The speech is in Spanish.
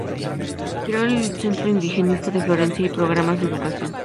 Creó el Centro Indigenista de Florencia y programas de educación.